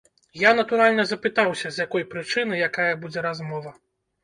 Я, натуральна, запытаўся, з якой прычыны, якая будзе размова.